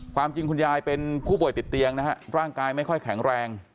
ความจริงคุณยายเป็นผู้ป่วยติดเตียงนะฮะร่างกายไม่ค่อยแข็งแรง